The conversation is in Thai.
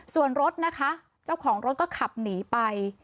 ส่วนรถนะคะเจ้าของรถก็ขับหนีไป